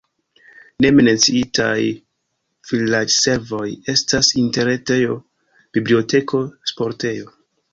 Ne menciitaj vilaĝservoj estas interretejo, biblioteko, sportejo.